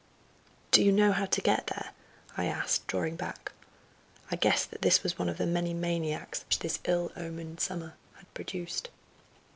"Do you know how to get there?" I asked, drawing back. I guessed that this was one of the many maniacs, which this ill omened summer had produced.